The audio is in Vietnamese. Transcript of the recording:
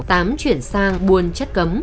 tám chuyển sang buôn chất cấm